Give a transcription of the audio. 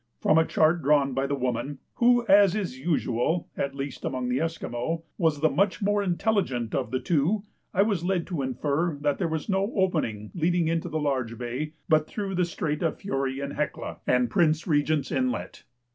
From a chart drawn by the woman, who, as is usual, (at least among the Esquimaux) was much the more intelligent of the two, I was led to infer that there was no opening leading into the large bay but through the Strait of the Fury and Hecla, and Prince Regent's Inlet.